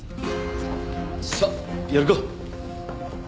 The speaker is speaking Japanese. さあやるか。